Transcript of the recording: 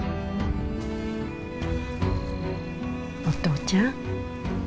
お父ちゃん。